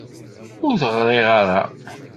Ur t-ɣriɣ ara.